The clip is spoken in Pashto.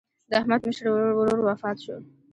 د احمد مشر ورور وفات شو.